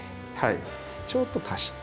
ちょっと足して。